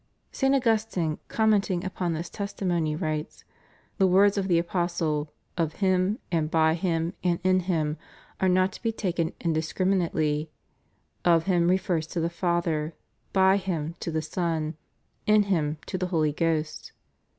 St. Augustine commenting upon this testimony writes : "The words of the Apostle, 0/ ^m, and by Him, and in Him, are not to be taken indiscriminately; of Him refers to the Father, by Him to the Son, in Him to the Holy Ghost.